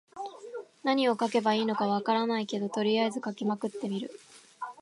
何を書けばいいのか分からないけど、とりあえず書きまくってみる。